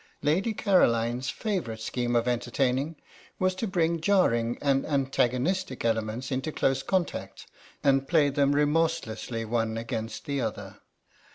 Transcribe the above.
Lady Caroline's favourite scheme of entertaining was to bring jarring and antagonistic elements into close contact and play them remorselessly one against the other.